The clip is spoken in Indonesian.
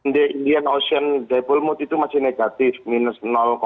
di indian ocean devil mood itu masih negatif minus enam puluh satu